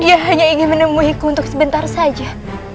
dia hanya ingin menemuiku untuk sebentar saja